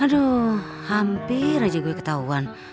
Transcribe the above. aduh hampir aja gue ketahuan